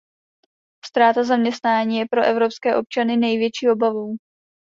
Ztráta zaměstnání je pro evropské občany největší obavou.